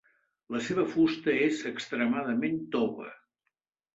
La seva fusta és extremadament tova.